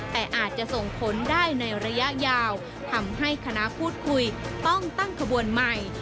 แต่อาจจะส่งผลได้ในระยะยาวทำให้คณะพูดคุยต้องตั้งขบวนใหม่